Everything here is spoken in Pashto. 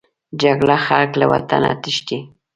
جګړه خلک له وطنه تښتي